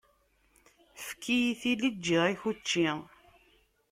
Ẓefk-iyi tili, ǧǧiɣ-ak učči!